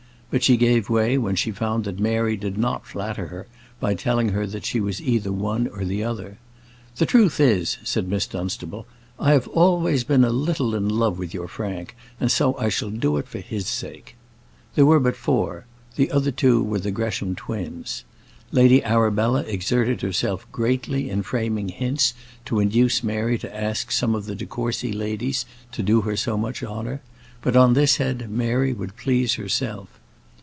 But she gave way when she found that Mary did not flatter her by telling her that she was either the one or the other. "The truth is," said Miss Dunstable, "I have always been a little in love with your Frank, and so I shall do it for his sake." There were but four: the other two were the Gresham twins. Lady Arabella exerted herself greatly in framing hints to induce Mary to ask some of the de Courcy ladies to do her so much honour; but on this head Mary would please herself.